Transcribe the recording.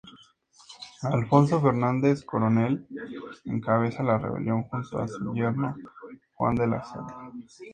Alfonso Fernández Coronel encabeza la rebelión junto a su yerno Juan de la Cerda.